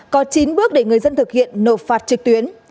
có chín bước để người dân thực hiện nộp phạt trực tuyến